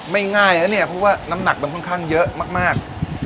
ง่ายนะเนี่ยเพราะว่าน้ำหนักมันค่อนข้างเยอะมาก